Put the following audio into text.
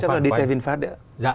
chắc là đi xe vinfast đấy ạ